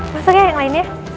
masuk ya yang lainnya